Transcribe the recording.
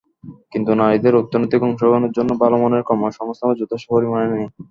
কিন্তু নারীদের অর্থনৈতিক অংশগ্রহণের জন্য ভালো মানের কর্মসংস্থান যথেষ্ট পরিমাণে নেই।